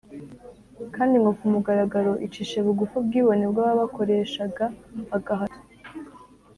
kandi ngo ku mugaragaro icishe bugufi ubwibone bw’ababakoreshaga agahato.